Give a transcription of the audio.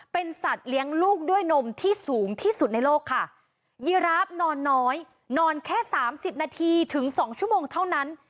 เป็นสัตว์เลี้ยงลูกด้วยนมที่สูงที่สุดในโลกค่ะยีราฟนอนน้อยนอนแค่สามสิบนาทีถึงสองชั่วโมงเท่านั้น